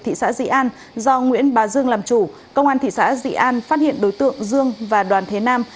thị xã dị an do nguyễn bá dương làm chủ công an thị xã dị an phát hiện đối tượng dương và đoàn thế nam